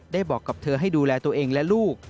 บอกกับเธอให้ดูแลตัวเองและลูก